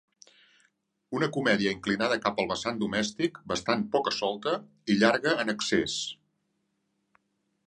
Una comèdia inclinada cap al vessant domèstic, bastant poca-solta i llarga en excés.